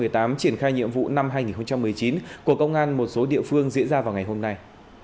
triển khai nhiệm vụ năm hai nghìn một mươi chín của công an một số địa phương diễn ra vào ngày hôm nay